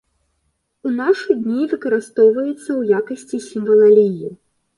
У нашы дні выкарыстоўваецца ў якасці сімвала лігі.